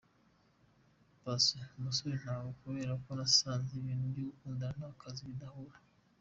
Paccy: Umusore ntawe! Kubera ko nasanze ibintu byo gukundana n’akazi bidahura.